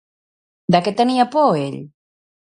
De què tenia por ell?